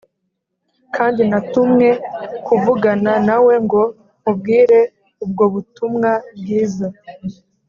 kandi natumwe kuvugana nawe ngo nkubwire ubwo butumwa bwiza.’